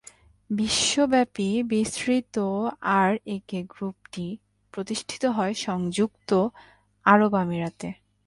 বিশ্বব্যাপী বিস্তৃত আরএকে গ্রুপটি প্রতিষ্ঠিত হয় সংযুক্ত আরব আমিরাতে।